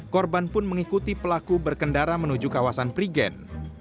korban pun mengikuti pelaku berkendara menuju kawasan prigen